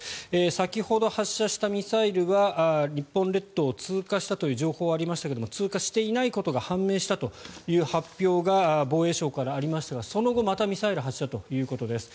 先ほど発射したミサイルは日本列島を通過したという情報がありましたが通過していないことが判明したという発表が防衛省からありましたがその後またミサイル発射ということです。